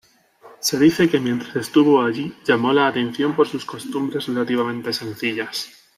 Se dice que mientras estuvo allí llamó la atención por sus costumbres relativamente sencillas.